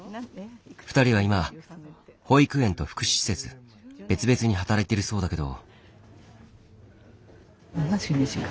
２人は今保育園と福祉施設別々に働いてるそうだけど。